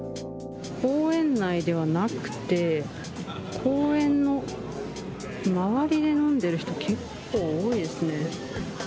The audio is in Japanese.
公園内ではなくて、公園の周りで飲んでいる人、結構多いですね。